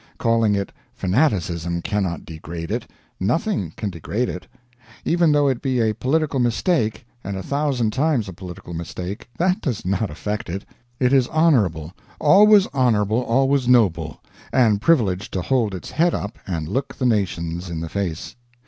Calling it Fanaticism cannot degrade it; nothing can degrade it. Even though it be a political mistake, and a thousand times a political mistake, that does not affect it; it is honorabl always honorable, always noble and privileged to hold its head up and look the nations in the face.